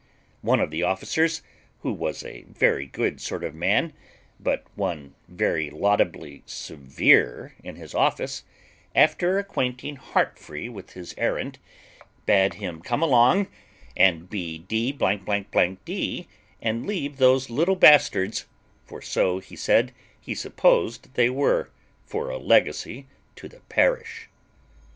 One of the officers, who was a very good sort of a man, but one very laudably severe in his office, after acquainting Heartfree with his errand, bad him come along and be d d, and leave those little bastards, for so, he said, he supposed they were, for a legacy to the parish.